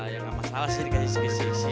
ya enggak masalah sih dikasih visi visi